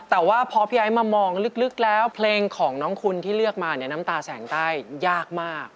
แต่ว่าพอพี่ไอ้มามองลึกแล้วเพลงของน้องคุณที่เลือกมาเนี่ยน้ำตาแสงใต้ยากมาก